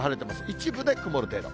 一部で曇る程度。